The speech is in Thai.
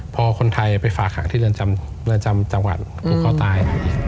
พอคนไทยไปฝากหังที่เรือนนำจังหวัดภูเขาตาย